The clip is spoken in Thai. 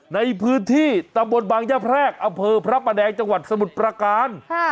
ในพื้นที่ตำบลบางยะแพรกอำเภอพระประแดงจังหวัดสมุทรประการ